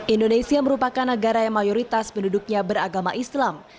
indonesia merupakan negara yang mayoritas penduduknya beragama islam